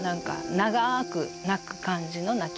長く鳴く感じの鳴き方。